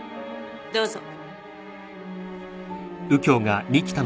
どうぞ。